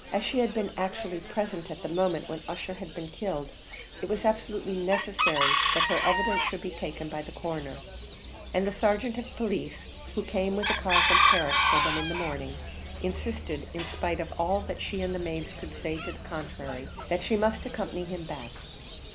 As she had been actually present at the moment when Ussher had been killed, it was absolutely necessary that her evidence should be taken by the Coroner; and the sergeant of police, who came with a car from Carrick for them in the morning, insisted, in spite of all that she and the maids could say to the contrary, that she must accompany him back.